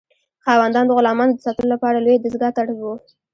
خاوندان د غلامانو د ساتلو لپاره لویې دستگاه ته اړ وو.